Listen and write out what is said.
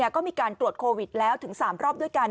ก็มีการตรวจโควิดแล้วถึง๓รอบด้วยกัน